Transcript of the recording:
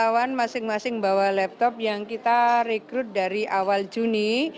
ada satu ratus tiga puluh dua relawan masing masing bawa laptop yang kita rekrut dari awal juni